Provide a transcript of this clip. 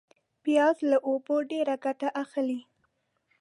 پیاز له اوبو ډېر ګټه اخلي